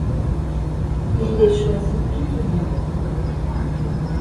Il les choisit toutes deux.